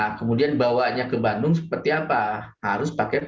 nah kemudian bawanya ke bandung seperti apa harus pakai